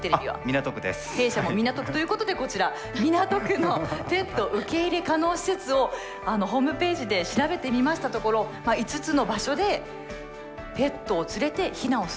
弊社も港区ということでこちら港区のペット受け入れ可能施設をホームページで調べてみましたところ５つの場所でペットを連れて避難をすることができるということなんです。